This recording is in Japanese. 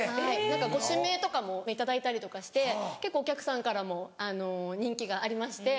何かご指名とかも頂いたりとかして結構お客さんからも人気がありまして。